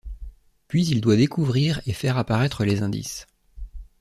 Puis il doit découvrir et faire apparaître les indices.